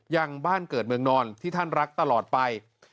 ยังบ้านเกิดเมืองนอนที่ท่านรักตลอดไป